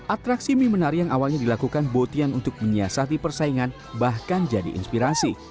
atraksi mie menari yang awalnya dilakukan botian untuk menyiasati persaingan bahkan jadi inspirasi